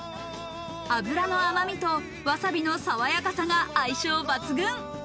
脂の甘みと、わさびの爽やかさが相性抜群。